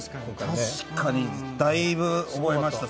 確かに、だいぶ覚えました。